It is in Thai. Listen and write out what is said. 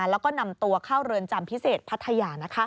แล้วก็นำตัวเข้าเรือนจำพิเศษพัทยา